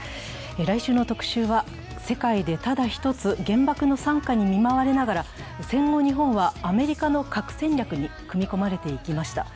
来週の特集は、世界でただ一つ、原爆の惨禍に見舞われながら戦後、日本はアメリカの核戦略に組み込まれていきました。